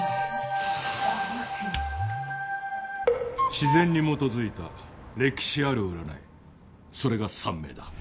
自然に基づいた歴史ある占いそれが算命だ。